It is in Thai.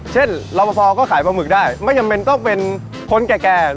เช่นเราประสอบก็ขายปลาหมึกได้ไม่จำเป็นต้องเป็นคนแก่แก่